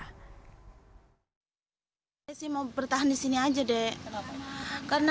sekolah anak ini memiliki masa kemungkinan dan keuntungan untuk menjaga keuntungan dan keuntungan anak anak